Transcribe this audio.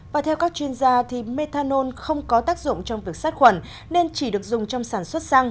và theo các chuyên gia thì methanol không có tác dụng trong việc sát khuẩn nên chỉ được dùng trong sản xuất xăng